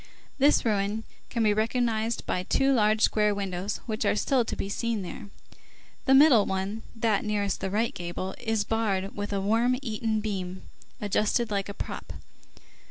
This ruin can be recognized by two large square windows which are still to be seen there; the middle one, that nearest the right gable, is barred with a worm eaten beam adjusted like a prop.